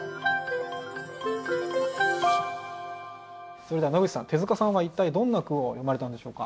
それでは野口さん手塚さんは一体どんな句を詠まれたんでしょうか？